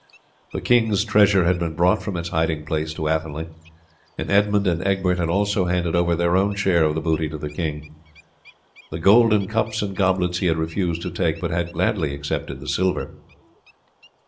The king's treasure had been brought from its hiding place to Athelney, and Edmund and Egbert had also handed over their own share of the booty to the king. The golden cups and goblets he had refused to take, but had gladly accepted the silver.